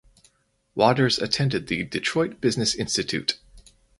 Waters attended the Detroit Business Institute.